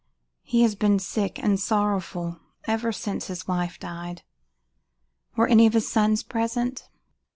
He has been sick and sorrowful, ever since his wife died. Were any of his sons present?"